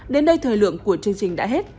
đến đây thời lượng của chương trình đã hết